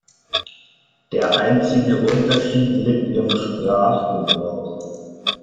Der einzige Unterschied liegt im Sprachgebrauch.